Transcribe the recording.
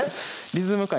リズム感